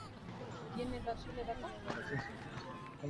Presenta fachada lateral a la plaza la casa-palacio del Duque del Infantado.